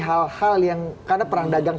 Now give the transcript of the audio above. hal hal yang karena perang dagang